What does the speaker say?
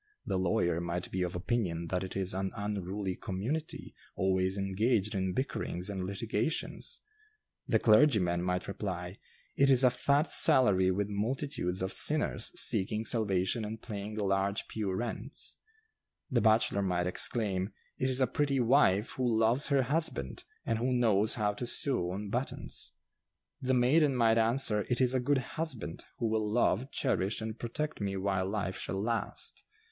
The lawyer might be of opinion that 'it is an unruly community, always engaged in bickerings and litigations.' The clergyman might reply, 'It is a fat salary with multitudes of sinners seeking salvation and paying large pew rents.' The bachelor might exclaim, 'It is a pretty wife who loves her husband, and who knows how to sew on buttons.' The maiden might answer, 'It is a good husband, who will love, cherish and protect me while life shall last.